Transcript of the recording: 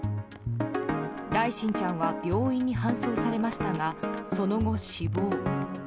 來心ちゃんは病院に搬送されましたがその後、死亡。